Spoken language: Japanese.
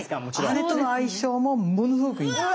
あれとの相性もものすごくいいんです。